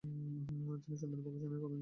তিনি সন্ধানী প্রকাশনী এর প্রধান ছিলেন।